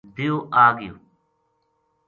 دیو آ گیو